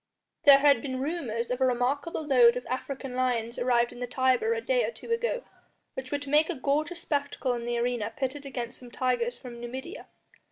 There had been rumours of a remarkable load of African lions arrived in the Tiber a day or two ago, which were to make a gorgeous spectacle in the arena pitted against some tigers from Numidia.